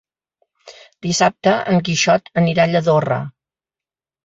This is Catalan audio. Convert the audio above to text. Dissabte en Quixot anirà a Lladorre.